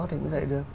thì mới dạy được